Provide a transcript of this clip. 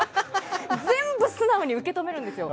全部素直に受け止めるんですよ。